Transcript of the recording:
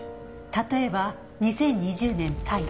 例えば２０２０年タイ。